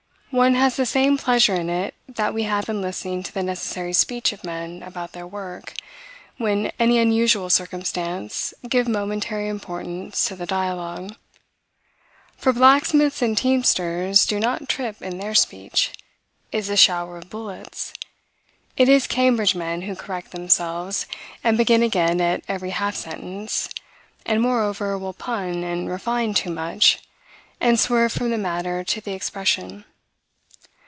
One has the same pleasure in it that we have in listening to the necessary speech of men about their work, when any unusual circumstance give momentary importance to the dialogue. For blacksmiths and teamsters do not trip in their speech; it is a shower of bullets. It is Cambridge men who correct themselves, and begin again at every half sentence, and, moreover, will pun, and refine too much, and swerve from the matter to the expression.